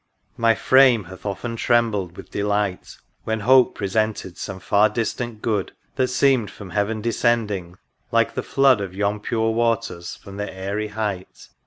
My frame hath often trembled with delight When hope presented some far distant good. That seemed from heaven descending, like the flood Of yon pure waters, from their aery height.